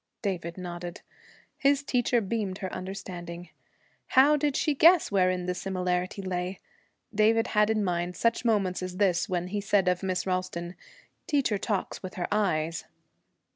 David nodded. His teacher beamed her understanding. How did she guess wherein the similarity lay? David had in mind such moments as this when he said of Miss Ralston, 'Teacher talks with her eyes.'